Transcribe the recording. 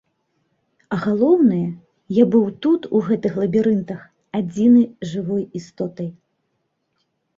А галоўнае, я быў тут, у гэтых лабірынтах, адзінай жывой істотай.